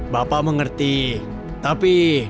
bapak mengerti tapi